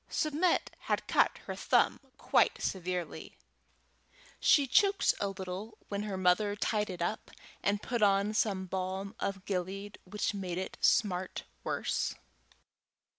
Submit had cut her thumb quite severely. She choked a little when her mother tied it up, and put on some balm of Gilead, which made it smart worse.